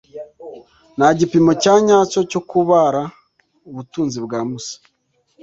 ntagipimo cya nyacyo cyo kubara ubutunzi bwa Musa.